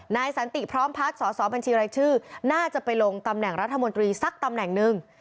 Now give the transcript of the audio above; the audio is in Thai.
สันติพร้อมพักสอสอบัญชีรายชื่อน่าจะไปลงตำแหน่งรัฐมนตรีสักตำแหน่งหนึ่ง